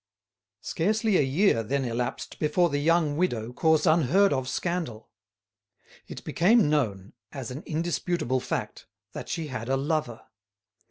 Scarcely a year then elapsed before the young widow caused unheard of scandal. It became known, as an indisputable fact, that she had a lover.